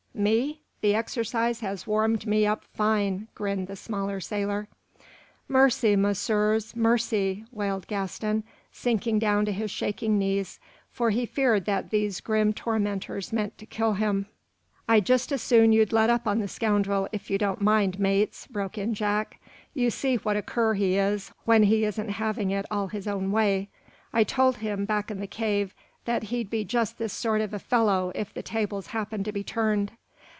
"Me? The exercise has warmed me up fine," grinned the smaller sailor. "Mercy, messieurs, mercy!" wailed Gaston, sinking down to his shaking knees, for he feared that these grim tormentors meant to kill him. "I'd just as soon you'd let up on the scoundrel, if you don't mind, mates," broke in Jack. "You see what a cur he is when he isn't having it all his own way. I told him, back in the cave, that he'd be just this sort of a fellow if the tables happened to be turned."